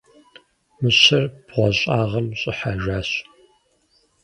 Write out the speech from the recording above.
Мыщэр бгъуэщӏагъым щӏыхьэжащ.